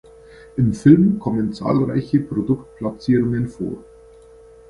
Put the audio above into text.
Im Film kommen zahlreiche Produktplatzierungen vor.